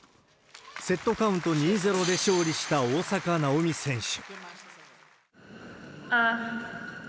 セットカウント２ー０で勝利した大坂なおみ選手。